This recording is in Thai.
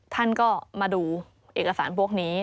ท่านก็มาดูเอกสารพวกนี้